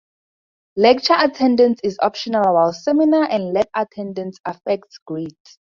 Lecture attendance is optional, while seminar and lab attendance affects grades.